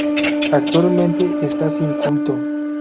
Actualmente está sin culto.